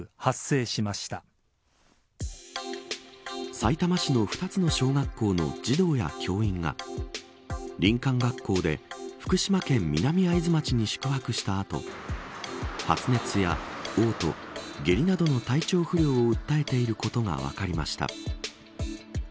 さいたま市の２つの小学校の児童や教員が林間学校で福島県南会津町に宿泊した後発熱や嘔吐、下痢などの体調不良を訴えていることが分かりました。